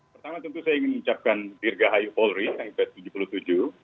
pertama tentu saya ingin ucapkan dirgahayu polri tahun seribu sembilan ratus tujuh puluh tujuh